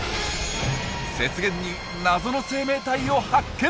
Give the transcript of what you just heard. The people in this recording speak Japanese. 雪原に謎の生命体を発見！